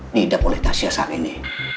diidap oleh tasha saat ini